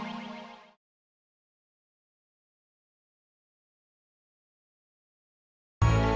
hei itu coklat pustaka